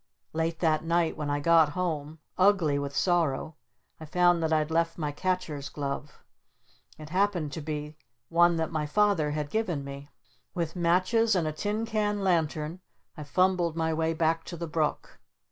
Late that night when I got home, ugly with sorrow, I found that I'd left my Catcher's glove. It happened to be one that my Father had given me. With matches and a tin can lantern I fumbled my way back to the brook.